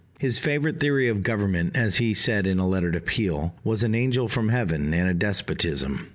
His favorite theory of government, as he said in a letter to Peel, was "an angel from heaven, and a despotism."